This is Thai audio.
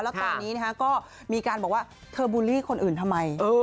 แล้วตอนนี้ก็มีการบอกว่าเธอบูลลี่คนอื่นทำไม